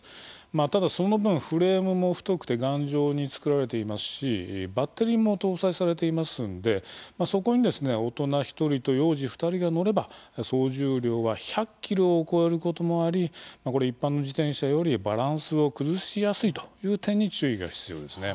まあただその分フレームも太くて頑丈に作られていますしバッテリーも搭載されていますんでまあそこに大人１人と幼児２人が乗れば総重量は１００ｋｇを超えることもありこれ一般の自転車よりバランスを崩しやすいという点に注意が必要ですね。